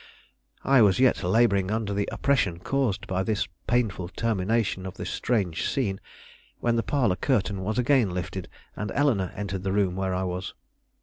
I was yet laboring under the oppression caused by this painful termination of the strange scene when the parlor curtain was again lifted, and Eleanore entered the room where I was.